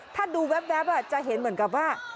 ถ้าดูแว๊บจะเห็นเหมือนกับว่า